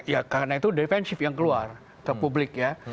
ya karena itu defensif yang keluar ke publik ya